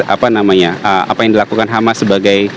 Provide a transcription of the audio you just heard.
apa yang dilakukan hamas sebagai